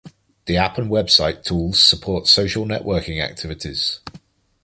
The app and website tools support social networking activities.